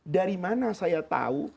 dari mana saya tahu